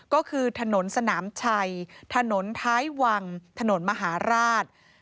ก็คือถนนสนามชัยถนนท้ายวังถนนมหาราช